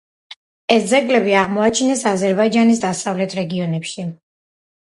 ეს ძეგლები აღმოაჩინეს აზერბაიჯანის დასავლეთ რეგიონებში.